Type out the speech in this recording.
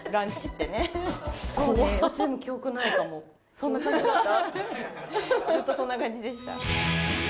そんな感じだった？